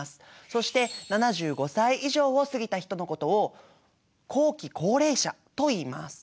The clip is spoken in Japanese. そして７５歳以上を過ぎた人のことを後期高齢者といいます。